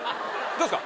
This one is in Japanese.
どうすか？